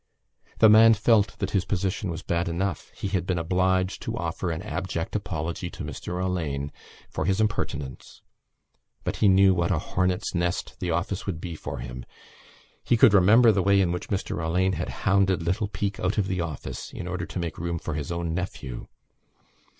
The man felt that his position was bad enough. He had been obliged to offer an abject apology to Mr Alleyne for his impertinence but he knew what a hornet's nest the office would be for him. He could remember the way in which Mr Alleyne had hounded little Peake out of the office in order to make room for his own nephew.